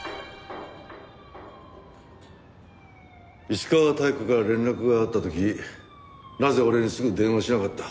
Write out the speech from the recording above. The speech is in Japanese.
石川妙子から連絡があった時なぜ俺にすぐ電話をしなかった？